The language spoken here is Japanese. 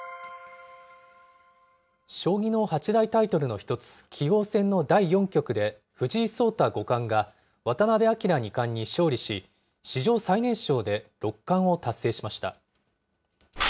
将棋の八大タイトルの１つ、棋王戦の第４局で、藤井聡太五冠が、渡辺明二冠に勝利し、史上最年少で六冠を達成しました。